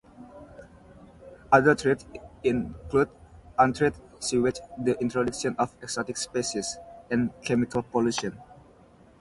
Other threats include untreated sewage, the introduction of exotic species, and chemical pollution.